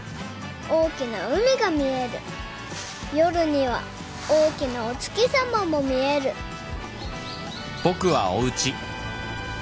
「大きな海が見える」「夜には大きなおつきさまも見える」「ぼくはおうち」